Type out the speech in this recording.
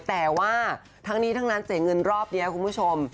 แต่ว่าทั้งนี้ทั้งนั้นเสียเงินรอบนี้คุณผู้ชม